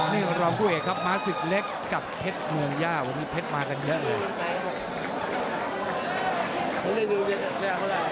นี่รองผู้เอกครับม้าศึกเล็กกับเพชรเมืองย่าวันนี้เพชรมากันเยอะเลย